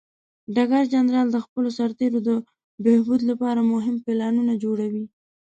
ډګر جنرال د خپلو سرتیرو د بهبود لپاره مهم پلانونه جوړوي.